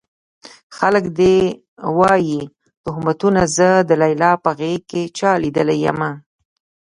خلک دې وايي تُهمتونه زه د ليلا په غېږ کې چا ليدلی يمه